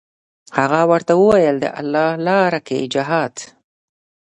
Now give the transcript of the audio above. هغو ورته وویل: د الله لاره کې جهاد.